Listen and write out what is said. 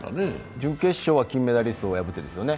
準決勝は金メダリストを破ってるんですよね。